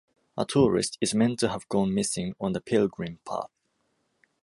A tourist is meant to have gone missing on the pilgrim path.